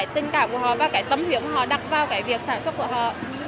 tình cảm của họ và tâm huyện họ đặt vào việc sản xuất của họ